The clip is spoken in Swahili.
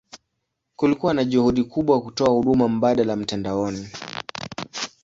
Kulikuwa na juhudi kubwa kutoa huduma mbadala mtandaoni.